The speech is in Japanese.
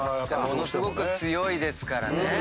ものすごく強いですから。